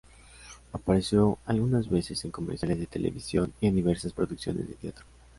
Apareció algunas veces en comerciales de televisión y en diversas producciones de teatro.